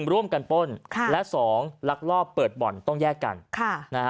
๑ร่วมกันป้นและ๒ลักลอบเปิดบ่อนต้องแยกกัน